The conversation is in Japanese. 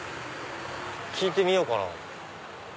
聞いてみようかな。